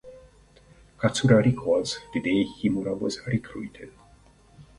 Katsura recalls the day Himura was recruited.